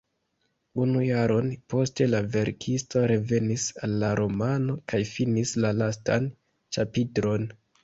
Unu jaron poste la verkisto revenis al la romano kaj finis la lastan ĉapitron.